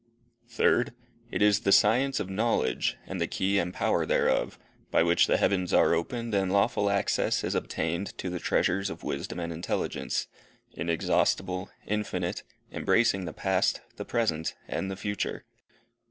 Third. It is the science of knowledge, and the key and power thereof, by which the heavens are opened, and lawful access is obtained to the treasures of wisdom and intelligence inexhaustible, infinite, embracing the past, the present, and the future.